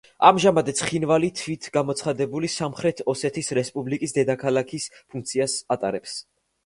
ამჟამად ცხინვალი თვითგამოცხადებული „სამხრეთ ოსეთის რესპუბლიკის“ დედაქალაქის ფუნქციას ატარებს.